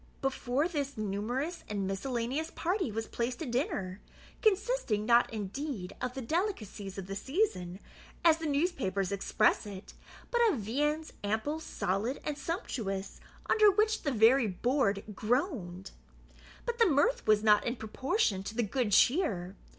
Before this numerous and miscellaneous party was placed a dinner, consisting, not indeed of the delicacies of the season, as the newspapers express it, but of viands, ample, solid, and sumptuous, under which the very board groaned. But the mirth was not in proportion to the good cheer.